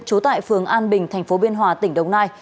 trú tại phường an bình thành phố biên hòa tỉnh đồng nai